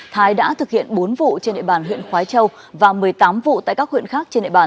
thái đã thực hiện bốn vụ trên địa bàn huyện khói châu và một mươi tám vụ tại các huyện khác trên địa bàn